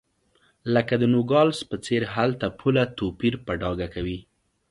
لکه د نوګالس په څېر هلته پوله توپیر په ډاګه کوي.